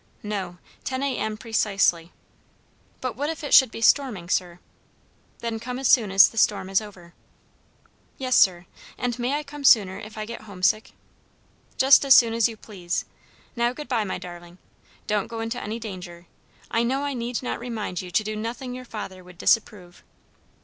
"No, ten A.M., precisely." "But what if it should be storming, sir?" "Then come as soon as the storm is over." "Yes, sir; and may I come sooner if I get homesick?" "Just as soon as you please. Now, good bye, my darling. Don't go into any danger. I know I need not remind you to do nothing your father would disapprove."